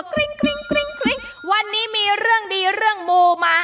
กริ้งกริ้งวันนี้มีเรื่องดีเรื่องมูมา